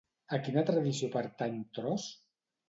A quina tradició pertany Tros?